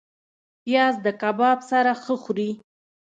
پیاز د کباب سره ښه خوري